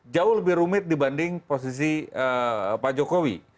jauh lebih rumit dibanding posisi pak jokowi